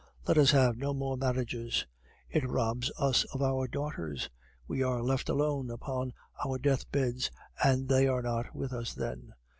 Let us have no more marriages! It robs us of our daughters; we are left alone upon our deathbeds, and they are not with us then.